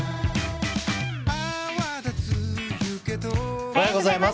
おはようございます。